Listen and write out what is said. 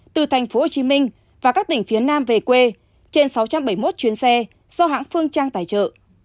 từ tp hcm và các tỉnh phía nam về quê trên sáu trăm bảy mươi một chuyến xe do hãng phương trang tài trợ